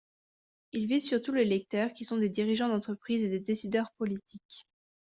Il vise surtout les lecteurs qui sont des dirigeants d'entreprise et des décideurs politiques.